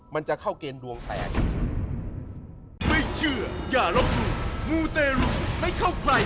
มันจะเข้าเกณฑ์ดวงแตก